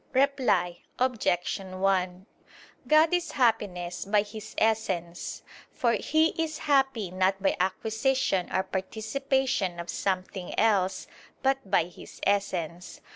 Reply Obj. 1: God is happiness by His Essence: for He is happy not by acquisition or participation of something else, but by His Essence.